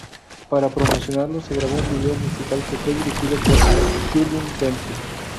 Para promocionarlo se grabó un vídeo musical que fue dirigido por Julien Temple.